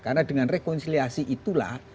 karena dengan rekonsiliasi itulah